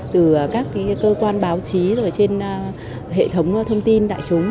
từ các cơ quan báo chí rồi trên hệ thống thông tin đại chúng